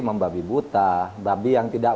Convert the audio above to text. membabi buta babi yang tidak